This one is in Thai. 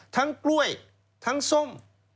ทั้งกล้วยทั้งส้ม